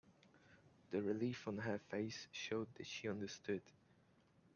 The relief on her face showed that she understood.